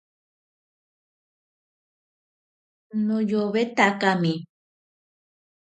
Noyowetami.